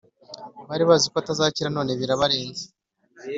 Baribaziko atazakira none birabarenze